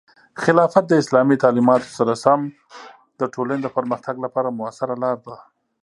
خلافت د اسلامي تعلیماتو سره سم د ټولنې د پرمختګ لپاره مؤثره لاره ده.